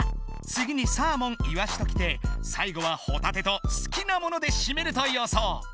つぎにサーモンいわしときて最後はほたてと好きなものでしめるとよそう！